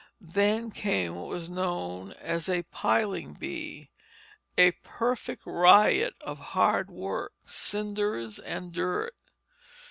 Then came what was known as a piling bee, a perfect riot of hard work, cinders, and dirt.